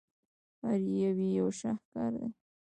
هر یو یې یو شاهکار دی.